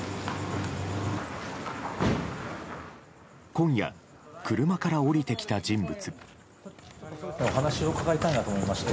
今夜、車から降りてきた人物。